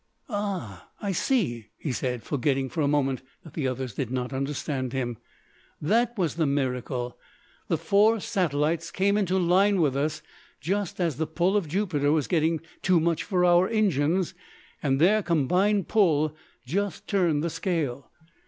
"Ah, I see!" he said, forgetting for a moment that the other did not understand him, "that was the miracle! The four satellites came into line with us just as the pull of Jupiter was getting too much for our engines, and their combined pull just turned the scale.